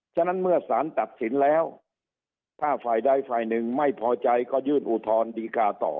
ฉะนั้นเมื่อสารตัดสินแล้วถ้าฝ่ายใดฝ่ายหนึ่งไม่พอใจก็ยื่นอุทธรณ์ดีกาต่อ